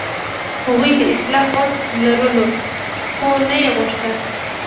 هغوی د اصلاح وس لرلو، خو نه یې غوښت.